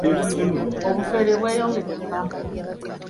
Obufere bweyongedde mu Kampala.